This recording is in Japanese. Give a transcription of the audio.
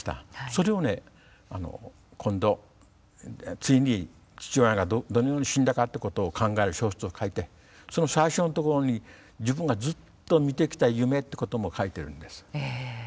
それをね今度ついに父親がどのように死んだかってことを考える小説を書いてその最初のところに自分がずっと見てきた夢ってことも書いてるんです。